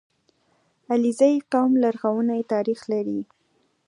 • علیزي قوم لرغونی تاریخ لري.